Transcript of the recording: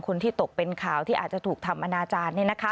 คนที่ตกเป็นข่าวที่อาจจะถูกทำอนาจารย์